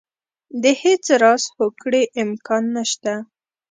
د هېڅ راز هوکړې امکان نه شته.